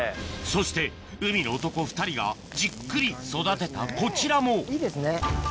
そして海の男２人がじっくり育てたこちらもいいですね。